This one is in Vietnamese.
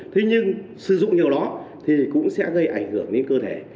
thế nhưng sử dụng nhiều đó thì cũng sẽ gây ảnh hưởng đến cơ thể